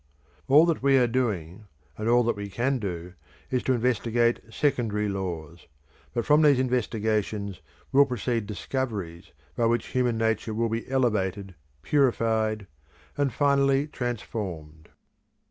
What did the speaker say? All that we are doing, and all that we can do, is to investigate secondary laws; but from these investigations will proceed discoveries by which human nature will be elevated, purified, and finally transformed.